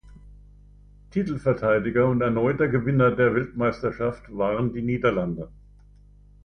Titelverteidiger und erneuter Gewinner der Weltmeisterschaft waren die Niederlande.